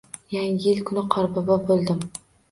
Yangi yil kuni Qorbobo bo`ldim